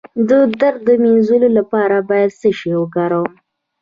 د درد د مینځلو لپاره باید څه شی وکاروم؟